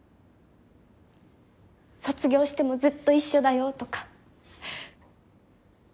卒業してもずっと一緒だよとか。